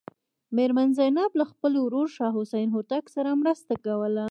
میرمن زینب له خپل ورور شاه حسین هوتک سره مرسته کوله.